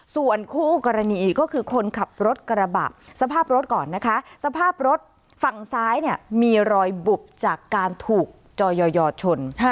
ส่วนคู่กรณีก็คือคนขับรถกระบะสภาพรถก่อนนะคะสภาพรถฝั่งซ้ายเนี่ยมีรอยบุบจากการถูกจอยอยชน